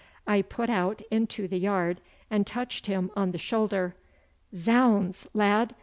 I put out into the yard, and touched him on the shoulder. Zounds, lad!